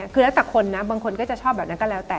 คือแล้วแต่คนนะบางคนก็จะชอบแบบนั้นก็แล้วแต่